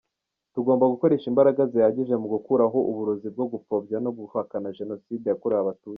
Tugomba gukoresha imbaraga zihagije mu gukuraho uburozi bwo gupfobya no guhakana Jenoside yakorewe Abatutsi.